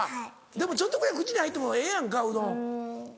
でもちょっとぐらい口に入ってもええやんかうどん。